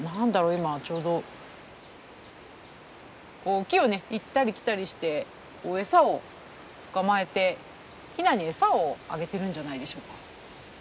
今ちょうどこう木を行ったり来たりして餌を捕まえてヒナに餌をあげてるんじゃないでしょうか。